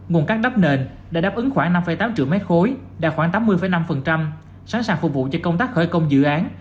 nguồn cá đắp nền đã đáp ứng khoảng năm tám triệu m ba đạt khoảng tám mươi năm sẵn sàng phục vụ cho công tác khởi công dự án